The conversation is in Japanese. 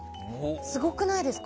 すごくないですか？